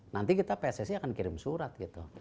nanti pssc akan kirim surat gitu